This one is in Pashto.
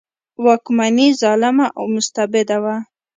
واکمني ظالمه او مستبده وه.